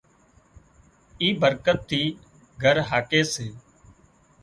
اي برڪت ٿِي گھر هاڪي سي